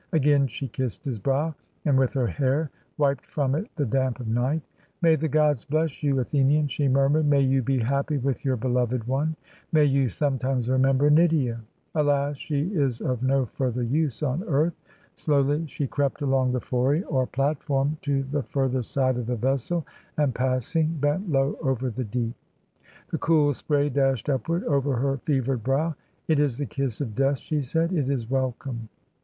Again she kissed his brow, and with her hair wiped from it the damp of night. 'May the gods bless you, Athenian,' she murmured; 'may you be happy with your beloved one I — ^may you sometimes remember Nydia I Alas, she is of no further use on earth I ' Slow ly she crept along the fori, or platform, to the further side of the vessel, and, passing, bent low over the deep; the cool spray dashed upward over her fevered brow. 'It is the kiss of death,' she said; 'it is welcome.'